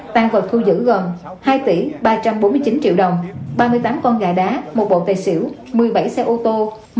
tăng vật thu giữ gồm hai tỷ ba trăm bốn mươi chín triệu đồng ba mươi tám con gà đá một bộ tài xỉu một mươi bảy xe ô tô